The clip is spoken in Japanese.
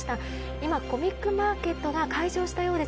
今、コミックマーケットが開場したようです。